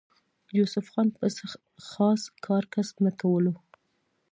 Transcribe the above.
يوسف خان به څۀ خاص کار کسب نۀ کولو